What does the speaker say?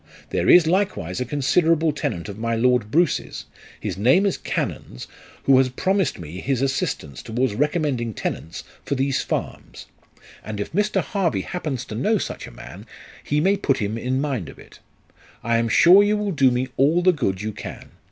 There is likewise a considerable tenant of my lord Bruce's, his name is Cannons, who has promised me his assistance towards recommending tenants for these farms. And if Mr. Harvey happens to know such a man, he may piit him in mind of it. I am sure you will do me all the good you can.